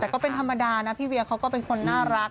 แต่ก็เป็นธรรมดานะพี่เวียเขาก็เป็นคนน่ารัก